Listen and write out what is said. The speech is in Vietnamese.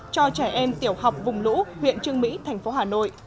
cho trẻ em tiểu học vùng lũ huyện trương mỹ thành phố hà nội